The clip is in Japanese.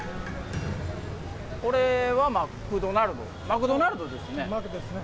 これはマクドナルド、マクドナルドですね。